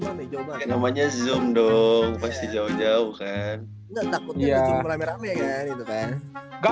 kita ngelakuin zoom ini cuman jauh jauh namanya zoom dong pasti jauh jauh kan takutnya di sini merame rame kan itu kan